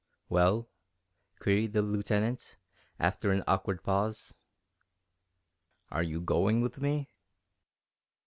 "Well?" queried the Lieutenant, after an awkward pause. "Are you going with me?"